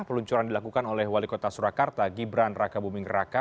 peluncuran dilakukan oleh wali kota surakarta gibran raka buming raka